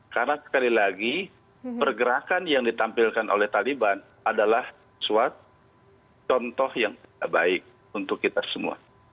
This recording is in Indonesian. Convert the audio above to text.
karena sekali lagi pergerakan yang ditampilkan oleh taliban adalah suatu contoh yang tidak baik untuk kita semua